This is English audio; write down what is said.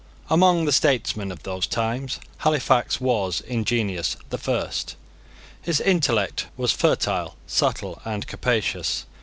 Among the statesmen of those times Halifax was, in genius, the first. His intellect was fertile, subtle, and capacious.